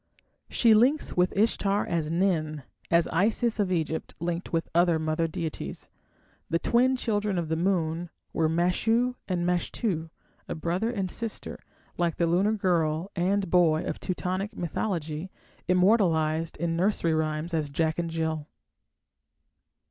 She links with Ishtar as Nin, as Isis of Egypt linked with other mother deities. The twin children of the moon were Mashu and Mashtu, a brother and sister, like the lunar girl and boy of Teutonic mythology immortalized in nursery rhymes as Jack and Jill.